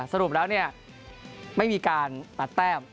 สรุปแล้วไม่มีการตัดแต้ม